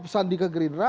sandi ke gerindra